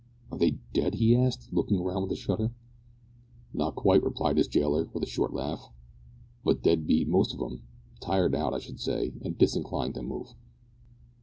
"Are they dead?" he asked, looking round with a shudder. "Not quite," replied his jailer, with a short laugh, "but dead beat most of 'em tired out, I should say, and disinclined to move."